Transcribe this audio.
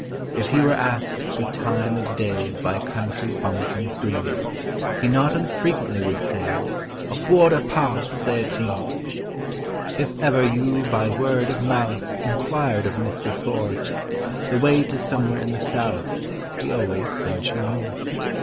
If he were asked the time of day By country bumpkins green, He not unfrequently would say, "A quarter past thirteen." If ever you by word of mouth Enquired of MISTER FORTH The way to somewhere in the South, He always sent you North.